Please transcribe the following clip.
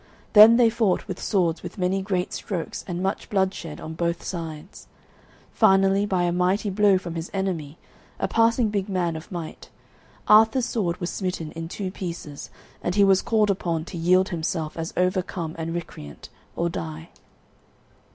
Then they fought with swords with many great strokes and much blood shed on both sides. Finally by a mighty blow from his enemy, a passing big man of might, Arthur's sword was smitten in two pieces, and he was called upon to yield himself as overcome and recreant, or die.